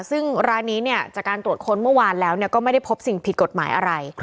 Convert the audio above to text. ซึ่งร้านนี้เนี่ยจากการตรวจค้นเมื่อวานแล้วก็ไม่ได้พบสิ่งผิดกฎหมายอะไร